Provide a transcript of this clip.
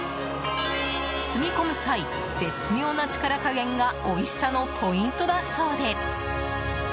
包み込む際、絶妙な力加減がおいしさのポイントだそうで。